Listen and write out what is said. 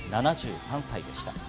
７３歳でした。